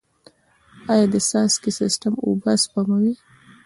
آیا د څاڅکي سیستم اوبه سپموي؟